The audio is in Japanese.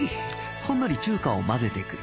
ほんのり中華を混ぜてくる